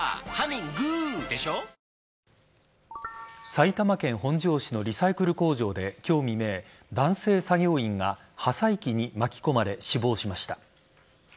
埼玉県本庄市のリサイクル工場で今日未明男性作業員が破砕機に巻き込まれ死亡しました。